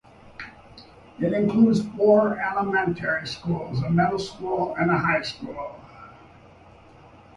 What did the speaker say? It includes four elementary schools, a middle school, and a high school.